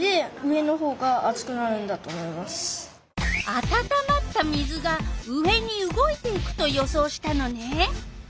あたたまった水が上に動いていくと予想したのね。